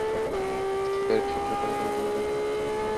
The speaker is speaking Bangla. বিহারী সহস্র বার অনুরুদ্ধ হইয়া নাহিতে গেল।